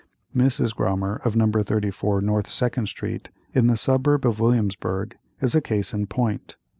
Mrs. Grommer, of No. 34 North Second Street, in the suburb of Williamsburgh, is a case in point.